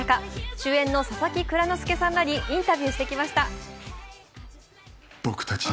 主演の佐々木蔵之介さんらにインタビューしてきました。